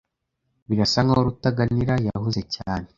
Birasa nkaho Rutaganira yahuze cyane.